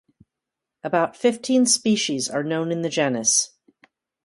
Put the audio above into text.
About fifteen species are known in the genus.